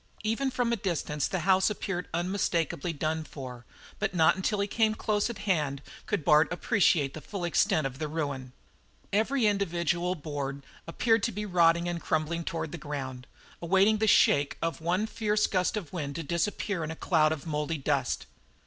Even from a distance the house appeared unmistakably done for, but not until he came close at hand could Bard appreciate the full extent of the ruin. Every individual board appeared to be rotting and crumbling toward the ground, awaiting the shake of one fierce gust of wind to disappear in a cloud of mouldy dust.